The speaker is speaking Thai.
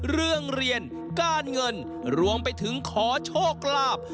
เรียนการเงินรวมไปถึงขอโชคลาภ